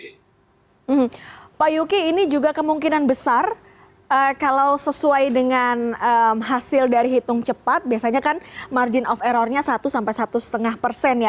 hmm pak yuki ini juga kemungkinan besar kalau sesuai dengan hasil dari hitung cepat biasanya kan margin of errornya satu sampai satu lima persen ya